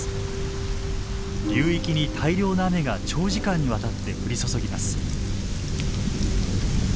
流域に大量の雨が長時間にわたって降り注ぎます。